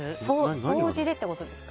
掃除でってことですか？